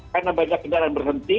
karena banyak kendaraan berhenti